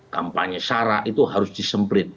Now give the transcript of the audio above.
kampanye syarat itu harus disemprit